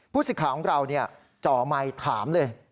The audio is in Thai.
ผู้ศิษย์ขาของเราเนี่ยเจ้าออกมาให้ถามเลย